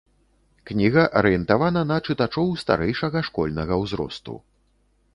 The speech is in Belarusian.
Кніга арыентавана на чытачоў старэйшага школьнага узросту.